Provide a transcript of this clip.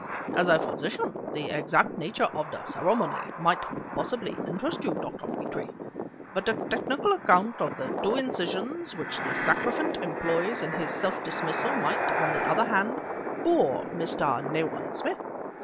As a physician, the exact nature of the ceremony might possibly interest you, Dr. Petrie, but a technical account of the two incisions which the sacrificant employs in his self dismissal, might, on the other hand, bore Mr. Nayland Smith.